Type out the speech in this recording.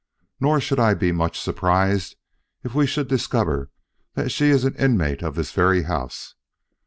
Nor should I be much surprised if we should discover that she is an inmate of this very house.